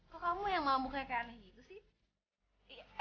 kok kamu yang mabuknya kayak aneh gitu sih